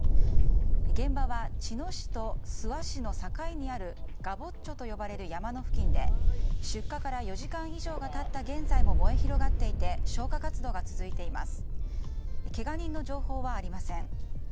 現場は茅野市と諏訪市の境にあるガボッチョと呼ばれる山の付近で出火から４時間以上が経った現在も燃え広がっていて消火活動が続いています。